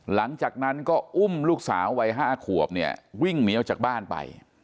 หลังจากนั้นก็อุ้มลูกสาววัย๕ขวบเนี่ยวิ่งเหนียวจากบ้านไป